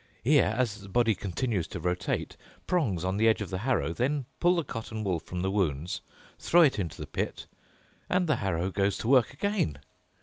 Here, as the body continues to rotate, prongs on the edge of the harrow then pull the cotton wool from the wounds, throw it into the pit, and the harrow goes to work again.